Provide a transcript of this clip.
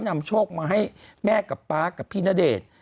นำโชคมาให้แม่กับป๊ากับพี่ณเดชน์